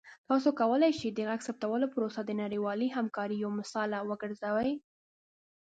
تاسو کولی شئ د غږ ثبتولو پروسه د نړیوالې همکارۍ یوه مثاله وګرځوئ.